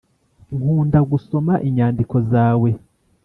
nkunda gusoma inyandiko zawe